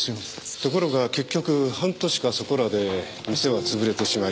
ところが結局半年かそこらで店はつぶれてしまい